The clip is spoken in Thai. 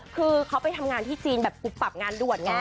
คือเขาไปทำงานที่จีนแบบกุบปรับงานด่วนไง